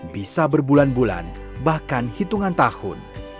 bisa berbulan bulan bahkan hitungan tahun